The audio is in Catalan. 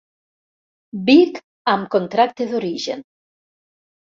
Vic amb contracte d'origen.